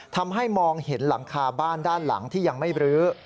ทำให้มองเห็นหลังคาบ้านด้านหลังที่ยังไม่บรื้อ